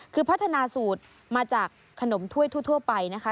คือพัฒนาสูตรมาจากขนมถ้วยทั่วไปนะคะ